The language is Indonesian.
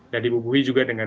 dan dibubuhi juga dengan